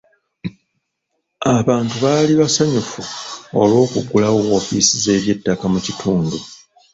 Abantu baali basanyufu olw'okuggulawo woofiisi z'ebyettaka mu kitundu.